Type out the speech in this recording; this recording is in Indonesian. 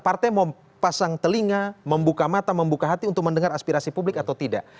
partai mau pasang telinga membuka mata membuka hati untuk mendengar aspirasi publik atau tidak